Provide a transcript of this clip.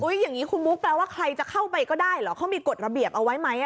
อย่างนี้คุณบุ๊คแปลว่าใครจะเข้าไปก็ได้เหรอเขามีกฎระเบียบเอาไว้ไหม